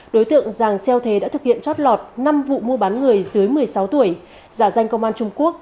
đối tượng giàng xeo thế đã thực hiện chót lọt năm vụ mua bán người dưới một mươi sáu tuổi giả danh công an trung quốc